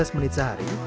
lima belas menit sehari